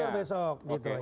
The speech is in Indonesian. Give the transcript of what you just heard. ya diundur besok